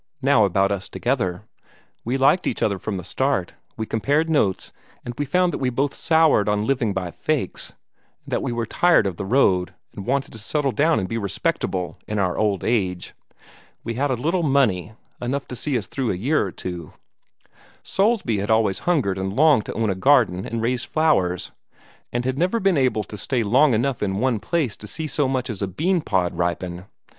Now about us together. We liked each other from the start. We compared notes, and we found that we had both soured on living by fakes, and that we were tired of the road, and wanted to settle down and be respectable in our old age. We had a little money enough to see us through a year or two. Soulsby had always hungered and longed to own a garden and raise flowers, and had never been able to stay long enough in one place to see so much as a bean pod ripen.